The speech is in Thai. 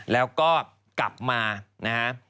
แล้วก็กลับมานะฮะ